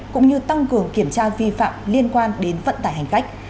cũng như tăng cường kiểm tra vi phạm liên quan đến vận tải hành khách